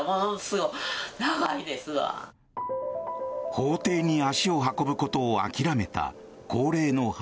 法廷に足を運ぶことを諦めた高齢の母。